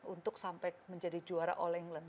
untuk sampai menjadi juara all england